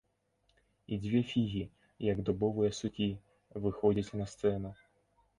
І дзве фігі, як дубовыя сукі, выходзяць на сцэну.